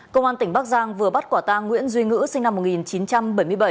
công an tỉnh bắc giang vừa bắt quả tang nguyễn duy ngữ sinh năm một nghìn chín trăm bảy mươi bảy